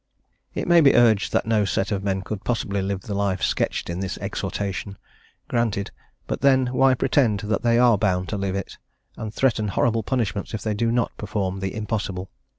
It may be urged that no set of men could possibly live the life sketched in this exhortation: granted; but, then, why pretend that they are bound to live it, and threaten horrible punishments if they do not perform the impossible?